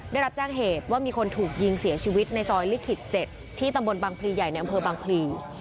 ได้รับแจ้งเหตุว่ามีคนถูกยิงเสียชีวิตในซอยลิขิต๗ที่ตำบลบังพลีใหญ่ในอำเภอบางพลี